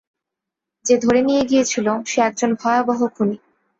যে ধরে নিয়ে গিয়েছিল, সে একজন ভয়াবহ খুনী।